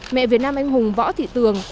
mẹ việt nam anh hùng võ thị tường